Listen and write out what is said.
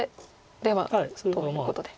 では」ということで。